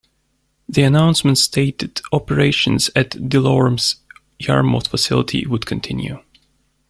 The announcement stated operations at DeLorme's Yarmouth facility would continue.